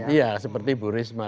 iya seperti bu risma